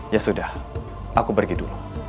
ya sudah aku pergi dulu